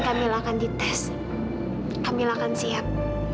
kamilah akan dites kamilah akan siap